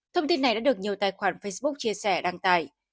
thông tin này đã được nhiều tài khoản facebook chia sẻ đăng tải